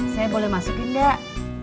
saya boleh masukin gak